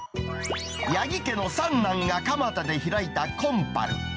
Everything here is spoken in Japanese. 八木家の三男が蒲田で開いた金春。